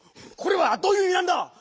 これはどういういみなんだ